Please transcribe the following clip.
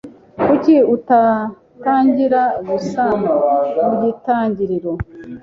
Kuki utatangira gusa mugitangiriro?